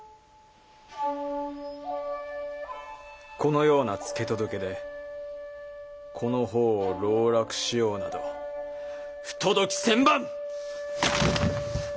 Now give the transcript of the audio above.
このような付け届けでこの方を籠絡しようなど不届き千万！